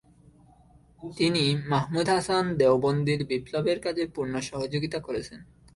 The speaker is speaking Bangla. তিনি মাহমুদ হাসান দেওবন্দির বিপ্লবের কাজে পূর্ণ সহযোগিতা করেছেন।